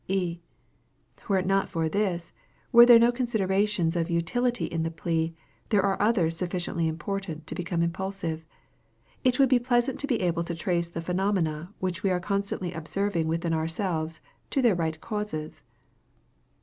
E. Were it not for this, were there no considerations of utility in the plea, there are others sufficiently important to become impulsive. It would be pleasant to be able to trace the phenomena which we are constantly observing within ourselves to their right causes.